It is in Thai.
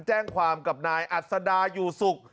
แจ้งความกับนายอัศดาอยู่สุข